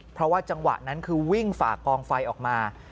เพราะว่าจังหวะนั้นคือวิ่งฝากกองไฟออกมา